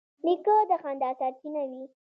نیکه د خندا سرچینه وي.